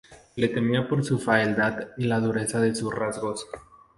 Se le temía por su fealdad y la dureza de sus rasgos.